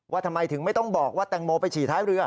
ทำไมถึงไม่ต้องบอกว่าแตงโมไปฉี่ท้ายเรือ